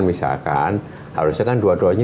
misalkan harusnya kan dua duanya